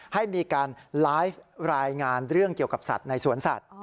ให้มีการไลฟ์รายงานเรื่องเกี่ยวกับสัตว์ในสวนสัตว์